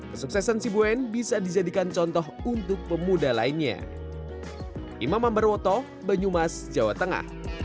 kesuksesan si boen bisa dijadikan contoh untuk pemuda lainnya